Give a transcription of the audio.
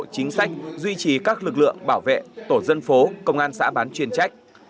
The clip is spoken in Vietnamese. chính sách duy trì các lực lượng bảo vệ tổ dân phố công an xã bán chuyên trách